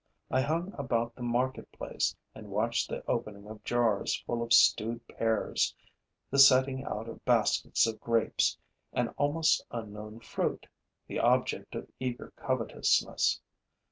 I hung about the market place and watched the opening of jars full of stewed pears, the setting out of baskets of grapes, an almost unknown fruit, the object of eager covetousness.